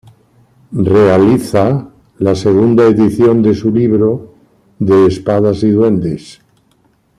Realiza la segunda edición de su libro "De Espadas y Duendes".